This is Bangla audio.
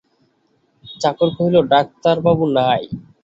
চাকর কহিল, ডাক্তারবাবু নাই।